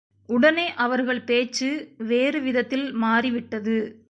உடனே அவர்கள் பேச்சு வேறு விதத்தில் மாறிவிட்டது.